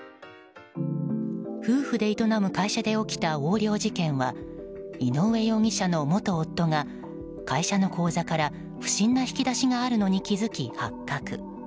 夫婦で営む会社で起きた横領事件は井上容疑者の元夫が会社の口座から不審な引き出しがあることに気づき、発覚。